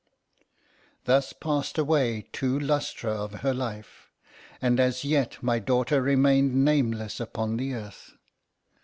Thus passed away two lustra of her life, and as yet my daughter remained nameless upon the earth.